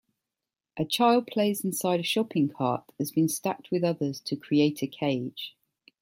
A child plays inside a shopping cart that has been stacked with others to create a cage